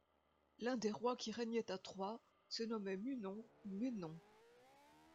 L'un des rois qui régnaient à Troie, se nommait Múnón ou Mennón.